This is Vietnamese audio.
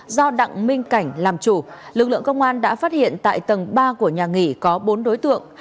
do đặng minh cảnh làm chủ lực lượng công an đã phát hiện tại tầng ba của nhà nghỉ có bốn đối tượng